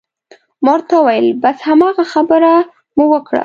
ما ورته وویل: بس هماغه خبره مو وکړه.